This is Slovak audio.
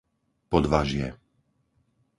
Podvažie